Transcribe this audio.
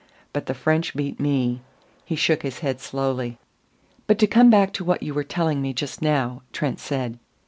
But the French beat me." He shook his head slowly. "But to come back to what you were telling me just now," Trent said.